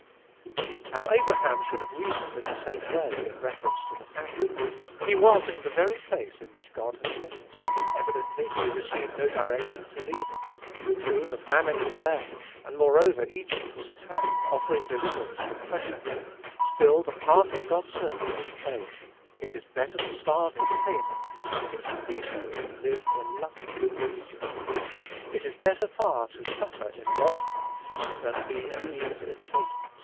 Now, Abraham should have reasoned in the same way, in reference to the famine. He was in the very place in which God had set him; and, evidently, he received no direction to leave it. True, the famine was there; and, moreover, Egypt was at hand, offering deliverance from pressure; still the path of God's servant was plain. It is better to starve in Canaan, if it should be so, than live in luxury in Egypt. It is better far to suffer in God's path, than be at ease in Satan's.